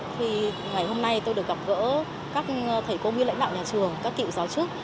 thì ngày hôm nay tôi được gặp gỡ các thầy cô nguyên lãnh đạo nhà trường các cựu giáo chức